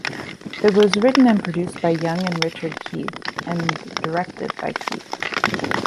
It was written and produced by Young and Richard Keith and directed by Keith.